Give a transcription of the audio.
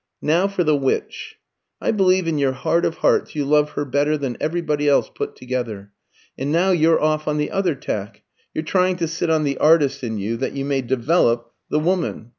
Now for the Witch. I believe in your heart of hearts you love her better than everybody else put together. And now you're off on the other tack; you're trying to sit on the artist in you that you may develop the woman.